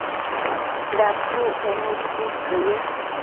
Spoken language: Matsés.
dashucquenu itsisquio ye